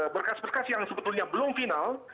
berkas berkas yang sebetulnya belum final